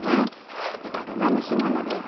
手軽な蒸しものです。